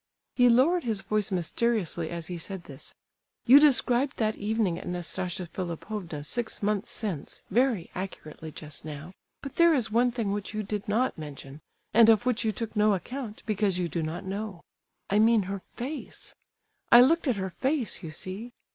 (He lowered his voice mysteriously as he said this.) "You described that evening at Nastasia Philipovna's (six months since) very accurately just now; but there is one thing which you did not mention, and of which you took no account, because you do not know. I mean her face—I looked at her face, you see.